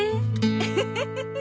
ウフフフ。